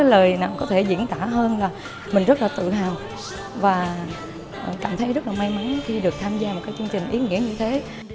có cái lời nào có thể diễn tả hơn là mình rất là tự hào và cảm thấy rất là may mắn khi được tham gia một cái chương trình ý nghĩa như thế